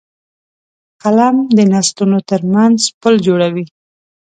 قلم د نسلونو ترمنځ پُل جوړوي